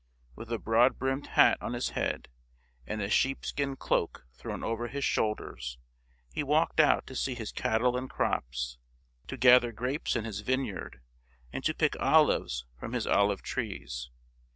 With a broad brimmed hat on his head and a sheepskin cloak thrown over his shoulders, he walked out to see his cattle and crops, to gather grapes in his vineyard, and to pick olives from his olive trees.